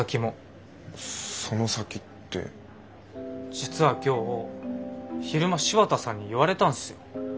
実は今日昼間柴田さんに言われたんすよ。